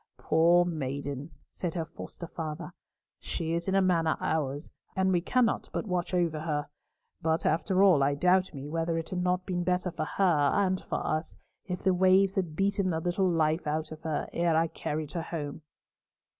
"Poor maiden!" said her foster father, "she is in a manner ours, and we cannot but watch over her; but after all, I doubt me whether it had not been better for her and for us, if the waves had beaten the little life out of her ere I carried her home."